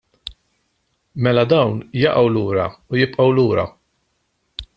Mela dawn jaqgħu lura u jibqgħu lura.